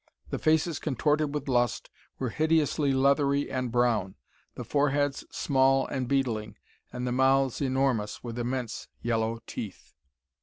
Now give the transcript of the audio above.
The faces, contorted with lust, were hideously leathery and brown, the foreheads small and beetling, and the mouths enormous, with immense yellow teeth.